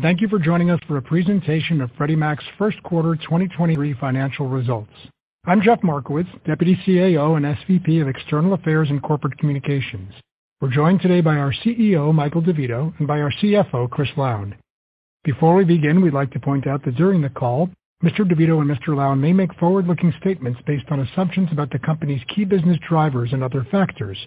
Thank you for joining us for a presentation of Freddie Mac's Q1 2023 Financial Results. I'm Jeff Markowitz, Deputy CAO and SVP, External Affairs and Corporate Communications. We're joined today by our CEO, Michael DeVito, and by our CFO, Chris Lown. Before we begin, we'd like to point out that during the call, Mr. DeVito and Mr. Lown may make forward-looking statements based on assumptions about the company's key business drivers and other factors.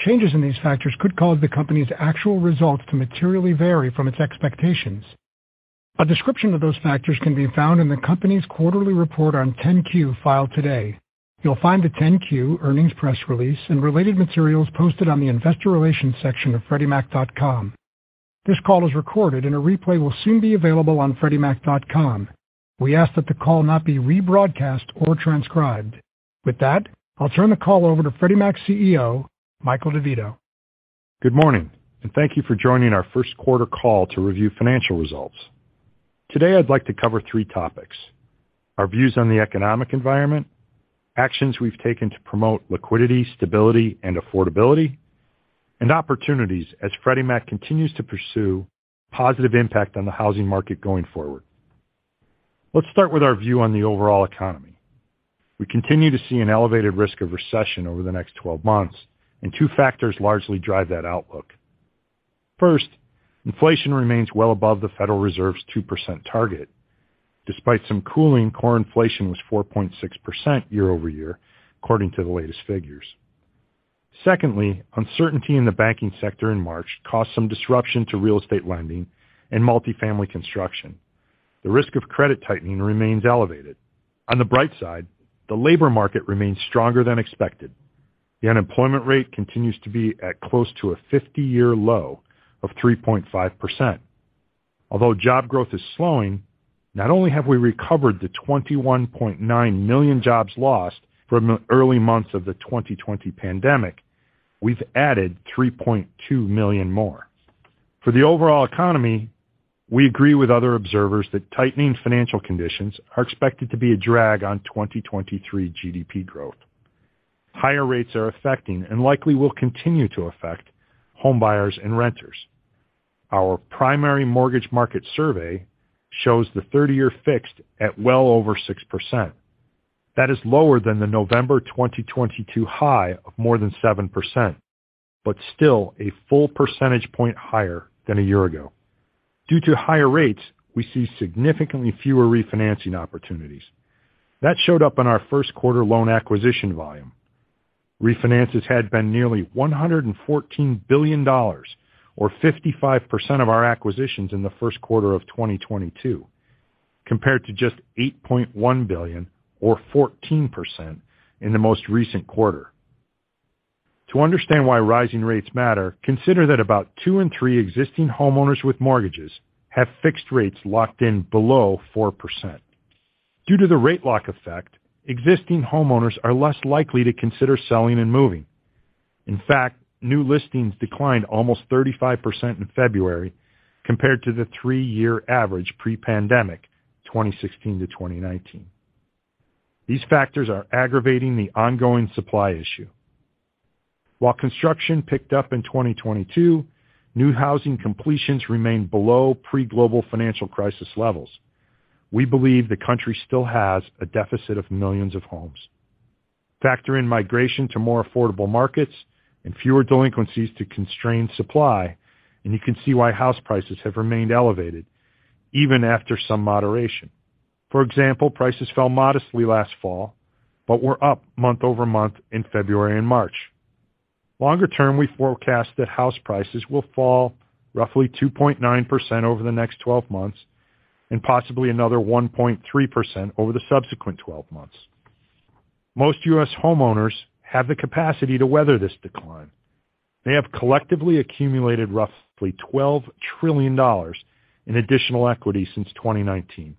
Changes in these factors could cause the company's actual results to materially vary from its expectations. A description of those factors can be found in the company's quarterly report on 10-Q filed today. You'll find the 10-Q earnings press release and related materials posted on the investor relations section of FreddieMac.com. This call is recorded and a replay will soon be available on FreddieMac.com. We ask that the call not be rebroadcast or transcribed. With that, I'll turn the call over to Freddie Mac's CEO, Michael DeVito. Good morning, and thank you for joining our Q1 call to review financial results. Today, I'd like to cover three topics: our views on the economic environment, actions we've taken to promote liquidity, stability and affordability, and opportunities as Freddie Mac continues to pursue positive impact on the housing market going forward. Let's start with our view on the overall economy. We continue to see an elevated risk of recession over the next 12 months, and two factors largely drive that outlook. First, inflation remains well above the Federal Reserve's 2% target. Despite some cooling, core inflation was 4.6% year-over-year, according to the latest figures. Secondly, uncertainty in the banking sector in March caused some disruption to real estate lending and multifamily construction. The risk of credit tightening remains elevated. On the bright side, the labor market remains stronger than expected. The unemployment rate continues to be at close to a 50-year low of 3.5%. Although job growth is slowing, not only have we recovered the 21.9 million jobs lost from the early months of the 2020 pandemic, we've added 3.2 million more. For the overall economy, we agree with other observers that tightening financial conditions are expected to be a drag on 2023 GDP growth. Higher rates are affecting, and likely will continue to affect homebuyers and renters. Our Primary Mortgage Market Survey shows the 30-year fixed at well over 6%. That is lower than the November 2022 high of more than 7%, but still a full percentage point higher than a year ago. Due to higher rates, we see significantly fewer refinancing opportunities. That showed up in our Q1 loan acquisition volume. Refinances had been nearly $114 billion, or 55% of our acquisitions in the Q1 of 2022, compared to just $8.1 billion or 14% in the most recent quarter. To understand why rising rates matter, consider that about two in three existing homeowners with mortgages have fixed rates locked in below 4%. Due to the rate lock effect, existing homeowners are less likely to consider selling and moving. In fact, new listings declined almost 35% in February compared to the three-year average pre-pandemic, 2016 to 2019. These factors are aggravating the ongoing supply issue. While construction picked up in 2022, new housing completions remain below pre-global financial crisis levels. We believe the country still has a deficit of millions of homes. Factor in migration to more affordable markets and fewer delinquencies to constrain supply, you can see why house prices have remained elevated even after some moderation. For example, prices fell modestly last fall, were up month-over-month in February and March. Longer term, we forecast that house prices will fall roughly 2.9% over the next 12 months and possibly another 1.3% over the subsequent 12 months. Most U.S. homeowners have the capacity to weather this decline. They have collectively accumulated roughly $12 trillion in additional equity since 2019.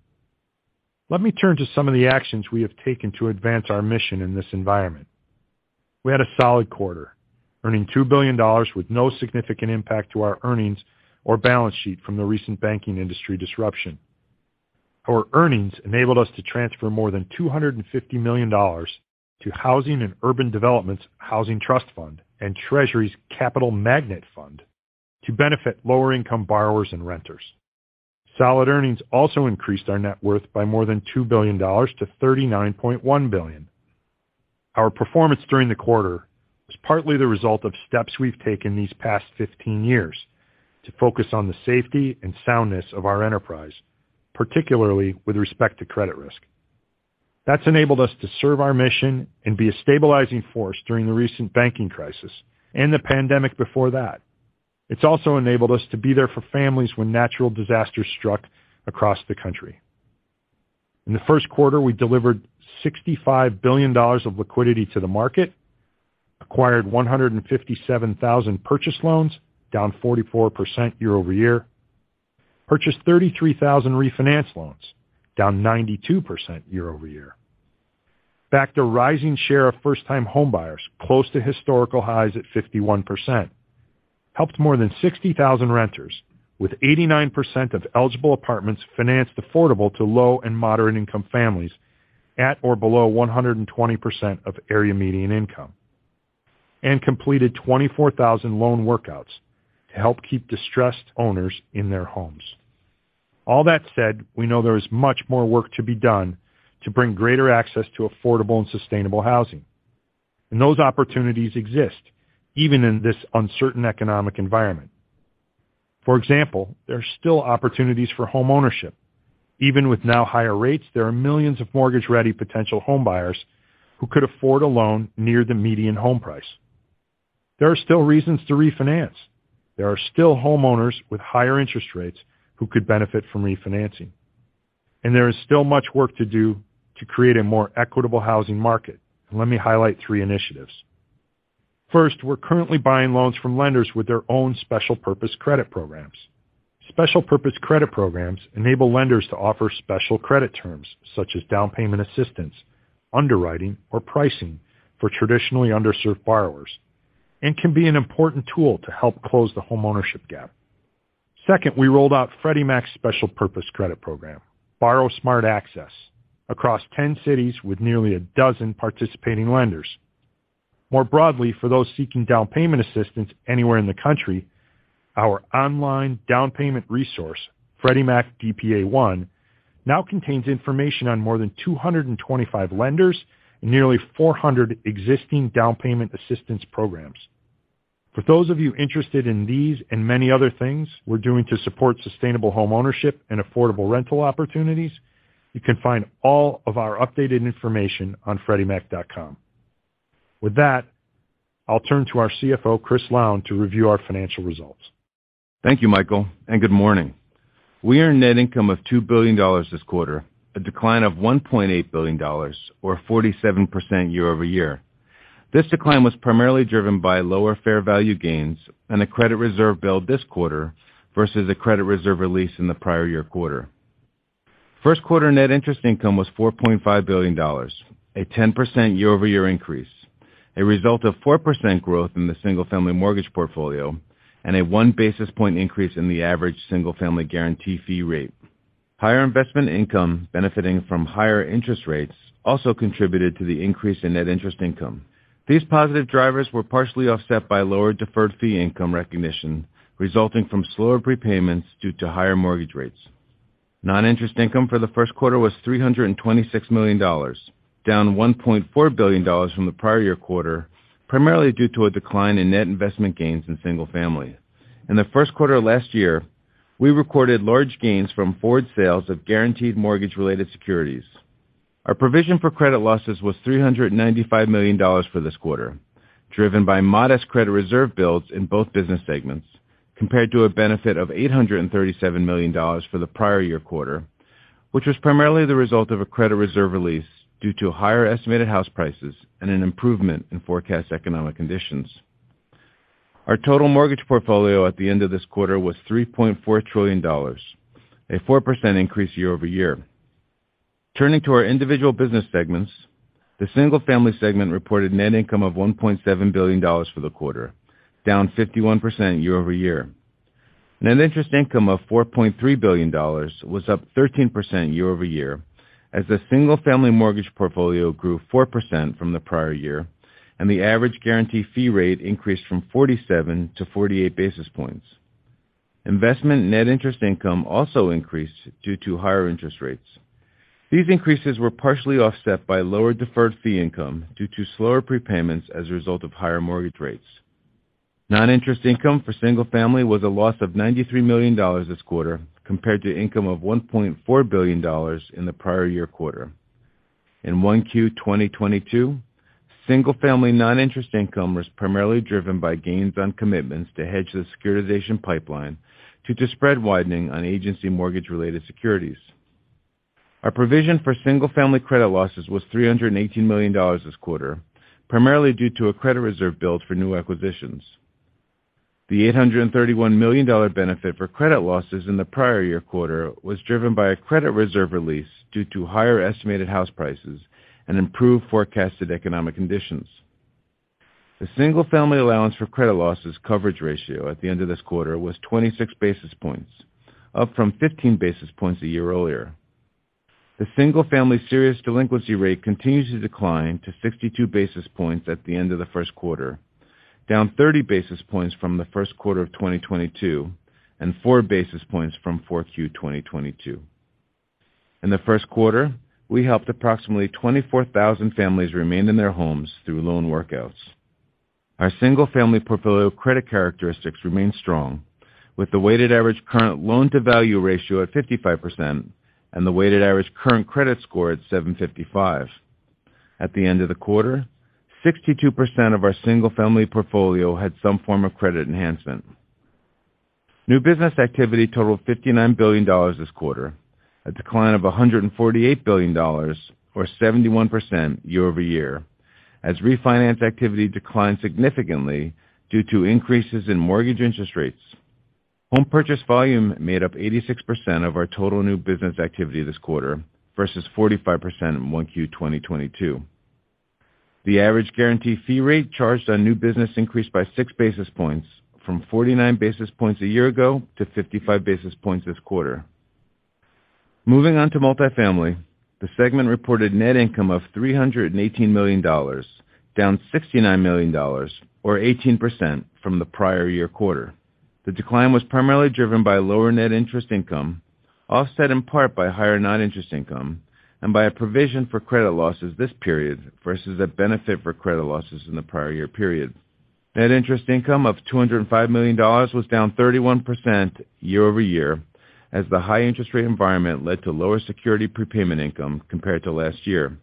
Let me turn to some of the actions we have taken to advance our mission in this environment. We had a solid quarter, earning $2 billion with no significant impact to our earnings or balance sheet from the recent banking industry disruption. Our earnings enabled us to transfer more than $250 million to Housing and Urban Development's Housing Trust Fund and Treasury's Capital Magnet Fund to benefit lower-income borrowers and renters. Solid earnings also increased our net worth by more than $2 billion to $39.1 billion. Our performance during the quarter was partly the result of steps we've taken these past 15 years to focus on the safety and soundness of our enterprise, particularly with respect to credit risk. That's enabled us to serve our mission and be a stabilizing force during the recent banking crisis and the pandemic before that. It's also enabled us to be there for families when natural disasters struck across the country. In the Q1, we delivered $65 billion of liquidity to the market, acquired 157,000 purchase loans, down 44% year-over-year. Purchased 33,000 refinance loans, down 92% year-over-year. Factor rising share of first-time homebuyers close to historical highs at 51%. Helped more than 60,000 renters with 89% of eligible apartments financed affordable to low and moderate-income families at or below 120% of area median income. Completed 24,000 loan workouts to help keep distressed owners in their homes. All that said, we know there is much more work to be done to bring greater access to affordable and sustainable housing. Those opportunities exist even in this uncertain economic environment. For example, there are still opportunities for homeownership. Even with now higher rates, there are millions of mortgage-ready potential homebuyers who could afford a loan near the median home price. There are still reasons to refinance. There are still homeowners with higher interest rates who could benefit from refinancing. There is still much work to do to create a more equitable housing market. Let me highlight three initiatives. First, we're currently buying loans from lenders with their own special purpose credit programs. Special purpose credit programs enable lenders to offer special credit terms such as down payment assistance, underwriting, or pricing for traditionally underserved borrowers and can be an important tool to help close the homeownership gap. Second, we rolled out Freddie Mac's special purpose credit program, BorrowSmart Access, across 10 cities with nearly 12 participating lenders. More broadly, for those seeking down payment assistance anywhere in the country, our online down payment resource, Freddie Mac DPA One, now contains information on more than 225 lenders and nearly 400 existing down payment assistance programs. For those of you interested in these and many other things we're doing to support sustainable homeownership and affordable rental opportunities, you can find all of our updated information on FreddieMac.com. With that, I'll turn to our CFO, Chris Lown, to review our financial results. Thank you, Michael. Good morning. We earned net income of $2 billion this quarter, a decline of $1.8 billion or 47% year-over-year. This decline was primarily driven by lower fair value gains and a credit reserve build this quarter versus a credit reserve release in the prior year quarter. Q1 net interest income was $4.5 billion, a 10% year-over-year increase, a result of 4% growth in the single-family mortgage portfolio, and a 1 basis point increase in the average single-family guarantee fee rate. Higher investment income benefiting from higher interest rates also contributed to the increase in net interest income. These positive drivers were partially offset by lower deferred fee income recognition resulting from slower prepayments due to higher mortgage rates. Non-interest income for the Q1 was $326 million, down $1.4 billion from the prior year quarter, primarily due to a decline in net investment gains in single family. In the Q1 last year, we recorded large gains from forward sales of agency mortgage-related securities. Our provision for credit losses was $395 million for this quarter, driven by modest credit reserve builds in both business segments, compared to a benefit of $837 million for the prior year quarter, which was primarily the result of a credit reserve release due to higher estimated house prices and an improvement in forecast economic conditions. Our total mortgage portfolio at the end of this quarter was $3.4 trillion, a 4% increase year-over-year. Turning to our individual business segments, the single family segment reported net income of $1.7 billion for the quarter, down 51% year-over-year. Net interest income of $4.3 billion was up 13% year-over-year as the single family mortgage portfolio grew 4% from the prior year and the average guarantee fee rate increased from 47-48 basis points. Investment net interest income also increased due to higher interest rates. These increases were partially offset by lower deferred fee income due to slower prepayments as a result of higher mortgage rates. Non-interest income for single family was a loss of $93 million this quarter compared to income of $1.4 billion in the prior year quarter. In Q1 2022, single-family non-interest income was primarily driven by gains on commitments to hedge the securitization pipeline due to spread widening on agency mortgage-related securities. Our provision for single-family credit losses was $318 million this quarter, primarily due to a credit reserve build for new acquisitions. The $831 million benefit for credit losses in the prior year quarter was driven by a credit reserve release due to higher estimated house prices and improved forecasted economic conditions. The single-family allowance for credit losses coverage ratio at the end of this quarter was 26 basis points, up from 15 basis points a year earlier. The single-family serious delinquency rate continues to decline to 62 basis points at the end of the Q1, down 30 basis points from the Q1 of 2022 and 4 basis points from 4Q 2022. In the Q1, we helped approximately 24,000 families remain in their homes through loan workouts. Our single-family portfolio credit characteristics remain strong, with the weighted average current loan-to-value ratio at 55% and the weighted average current credit score at 755. At the end of the quarter, 62% of our single-family portfolio had some form of credit enhancement. New business activity totaled $59 billion this quarter, a decline of $148 billion or 71% year-over-year, as refinance activity declined significantly due to increases in mortgage interest rates. Home purchase volume made up 86% of our total new business activity this quarter versus 45% in 1Q 2022. The average guarantee fee rate charged on new business increased by 6 basis points from 49 basis points a year ago to 55 basis points this quarter. Moving on to multifamily. The segment reported net income of $318 million, down $69 million, or 18% from the prior year quarter. The decline was primarily driven by lower net interest income, offset in part by higher non-interest income and by a provision for credit losses this period versus a benefit for credit losses in the prior year period. Net interest income of $205 million was down 31% year-over-year, as the high interest rate environment led to lower security prepayment income compared to last year.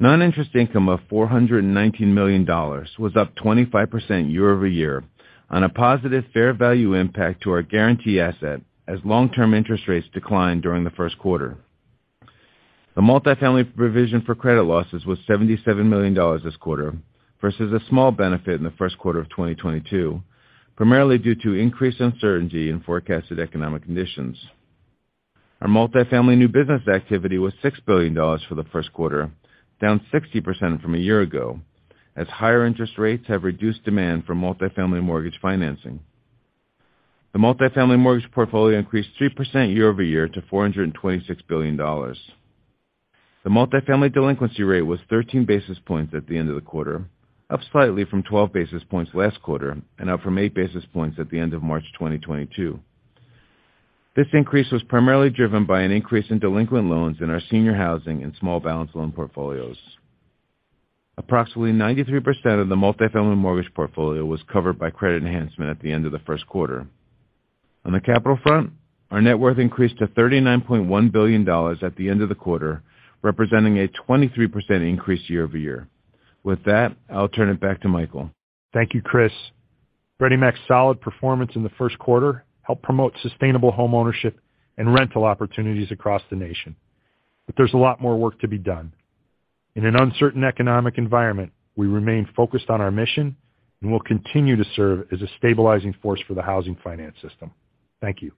Non-interest income of $419 million was up 25% year-over-year on a positive fair value impact to our guarantee asset as long-term interest rates declined during the Q1. The multifamily provision for credit losses was $77 million this quarter versus a small benefit in the Q1 of 2022, primarily due to increased uncertainty in forecasted economic conditions. Our multifamily new business activity was $6 billion for the Q1, down 60% from a year ago as higher interest rates have reduced demand for multifamily mortgage financing. The multifamily mortgage portfolio increased 3% year-over-year to $426 billion. The multifamily delinquency rate was 13 basis points at the end of the quarter, up slightly from 12 basis points last quarter and up from 8 basis points at the end of March 2022. This increase was primarily driven by an increase in delinquent loans in our senior housing and small balance loan portfolios. Approximately 93% of the multifamily mortgage portfolio was covered by credit enhancement at the end of the Q1. On the capital front, our net worth increased to $39.1 billion at the end of the quarter, representing a 23% increase year-over-year. With that, I'll turn it back to Michael. Thank you, Chris. Freddie Mac's solid performance in the Q1 helped promote sustainable homeownership and rental opportunities across the nation. There's a lot more work to be done. In an uncertain economic environment, we remain focused on our mission and will continue to serve as a stabilizing force for the housing finance system. Thank you.